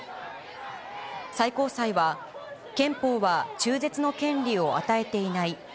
最高裁は、憲法は中絶の権利を与えていない。